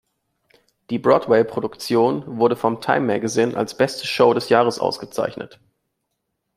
Die Broadway-Produktion wurde vom Time Magazine als beste Show des Jahres ausgezeichnet.